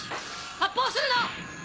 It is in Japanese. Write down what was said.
発砲するな！